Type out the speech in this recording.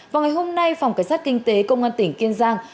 vào ngày hôm nay phòng cảnh sát kinh tế công an tỉnh kiên giang